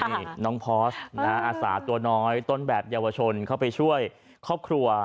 นี่น้องพอร์สอาสาตัวน้อยต้นแบบเยาวชนเข้าไปช่วยครอบครัว